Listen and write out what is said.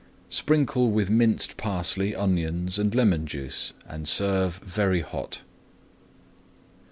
Sprinkle with minced parsley, onions, and lemon juice, and serve very hot.